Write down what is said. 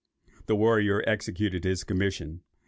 The warrior executed his commission.